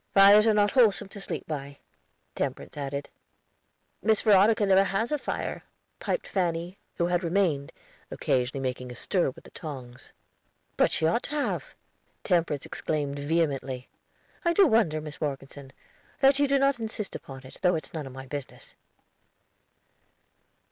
"Fires are not wholesome to sleep by," Temperance added. "Miss Veronica never has a fire," piped Fanny, who had remained, occasionally making a stir with the tongs. "But she ought to have!" Temperance exclaimed vehemently. "I do wonder, Mis Morgeson, that you do not insist upon it, though it's none of my business."